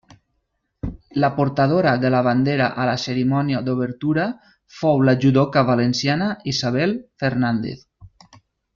La portadora de la bandera a la cerimònia d'obertura fou la judoka valenciana Isabel Fernández.